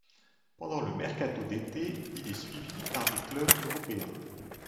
Pendant le mercato d'été il est suivi par des clubs européens.